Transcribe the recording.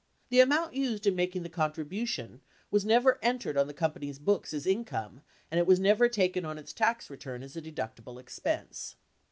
The amount used in making the contribution was never entered on the company's books as income, and it was never taken on its tax return as a deductible expense.